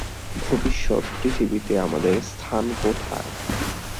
ভবিষ্যত পৃথিবীতে আমাদের স্থান কোথায়?